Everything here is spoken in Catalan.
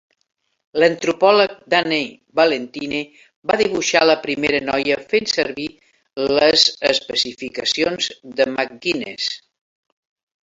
L'antropòleg Danny Valentini va dibuixar la primera noia fent servir les especificacions de McGuinness.